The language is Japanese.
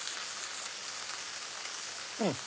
うん！